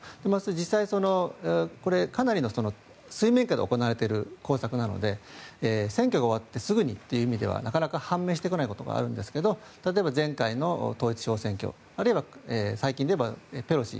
実際かなりの水面下で行われている工作なので、選挙が終わってすぐにという意味ではなかなか判明してこないところがあるんですが例えば前回の統一地方選挙あるいは最近で言えばペロシ氏